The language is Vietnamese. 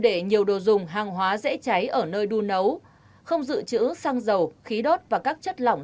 để nhiều đồ dùng hàng hóa dễ cháy ở nơi đun nấu không dự trữ xăng dầu khí đốt và các chất lỏng